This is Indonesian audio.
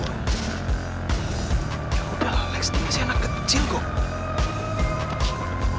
ya udah lex dia masih anak kecil kok